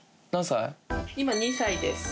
今２歳です。